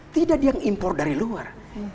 tidak dianggap impor dari luar